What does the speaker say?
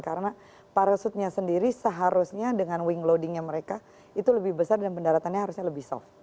karena parachute nya sendiri seharusnya dengan wing loading nya mereka itu lebih besar dan pendaratannya harusnya lebih soft